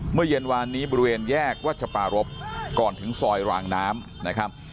เมื่อเย็นวานนี้บริเวณแยกรัชปารพก่อนถึงซอยรางน้ำนะครับ